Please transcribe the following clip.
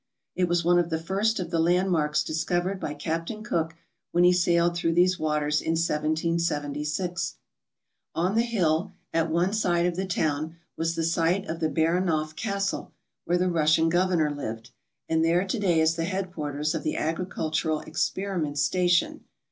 It was one of the first of the landmarks discovered by Captain Cook when he sailed through these waters in 1776. On the hill, at one side of the town, was the site of the Baranof castle, where the Russian governor lived, and there to day is the headquarters of the agricultural ex periment station.